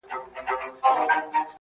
د سيند پر غاړه، سندريزه اروا وچړپېدل